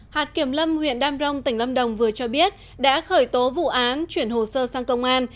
hạt kiểm lâm huyện đam rông tỉnh lâm đồng vừa cho biết đã khởi tố vụ án chuyển hồ sơ sang công an